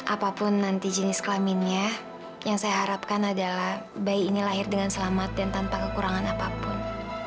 apapun nanti jenis kelaminnya yang saya harapkan adalah bayi ini lahir dengan selamat dan tanpa kekurangan apapun